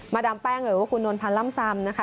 ดามแป้งหรือว่าคุณนวลพันธ์ล่ำซำนะคะ